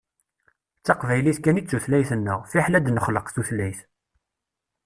D taqbaylit kan i d tutlayt-nneɣ, fiḥel ad d-nexleq tutlayt.